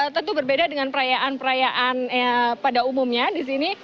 tentu berbeda dengan perayaan perayaan pada umumnya di sini